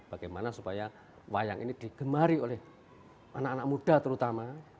bagaimana supaya wayang ini digemari oleh anak anak muda terutama